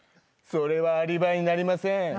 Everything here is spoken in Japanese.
それはアリバイになりません。